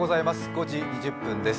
５時２０分です。